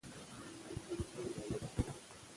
باران د افغانانو د ګټورتیا یوه برخه ده.